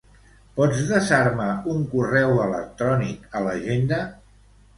Pots desar-me un correu electrònic a l'agenda?